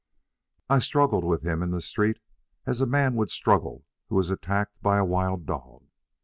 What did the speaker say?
I struggled with him in the street as a man would struggle who is attacked by a wild dog.